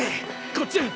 こっちへ！